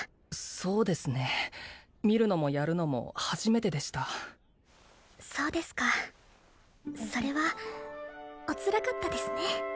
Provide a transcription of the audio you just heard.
そうですね見るのもやるのも初めてでしたそうですかそれはおつらかったですね